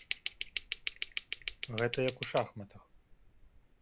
Гэта як у шахматах.